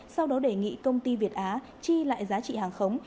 sau đó đề nghị công ty việt á chi lại giá trị hàng khống